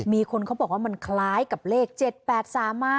มีคนเขาบอกว่ามันคล้ายกับเลข๗๘๓มา